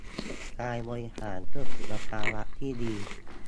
กายบริหารเพื่อสุขภาวะที่ดี